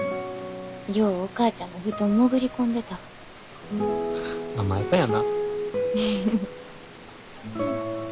ようお母ちゃんの布団潜り込んでたわ。甘えたやな。